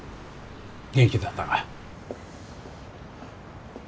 元気だったか？